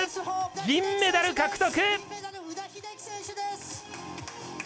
銀メダル獲得！